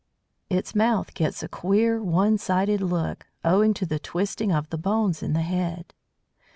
Its mouth gets a queer one sided look, owing to the twisting of the bones in the head.